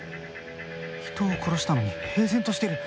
人を殺したのに平然としてる！